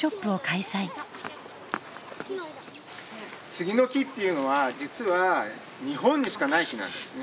杉の木っていうのは実は日本にしかない木なんですね。